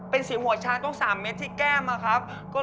เป็นสีหัวช้างต้อง๓เม็ดที่แก้มนะครับ